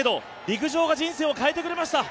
陸上が人生を変えてくれました。